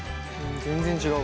全然違う。